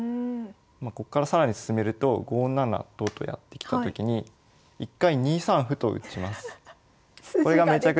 こっから更に進めると５七と金とやってきたときに一回２三歩と打ちます。